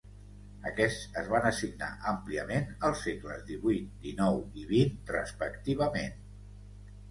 Aquests es van assignar àmpliament als segles divuit, dinou i vint respectivament.